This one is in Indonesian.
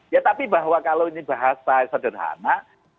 ya tapi bahwa kalau ini bahasa sederhana